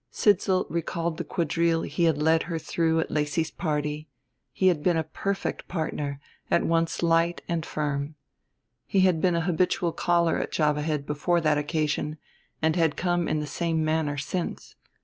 Sidsall recalled the quadrille he had led her through at Lacy's party; he had been a perfect partner, at once light and firm. He had been a habitual caller at Java Head before that occasion, and had come in the same manner since.